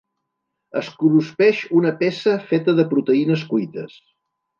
Es cruspeix una peça feta de proteïnes cuites.